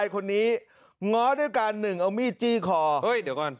คนนี้ง้อด้วยการหนึ่งเอามีดจี้คอเฮ้ยเดี๋ยวก่อน